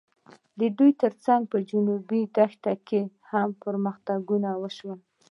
د دې تر څنګ په جنوبي دښته کې هم پرمختګونه وشول.